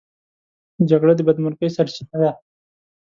جګړه د بدمرغۍ سرچينه ده.